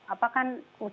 apa kan sekarang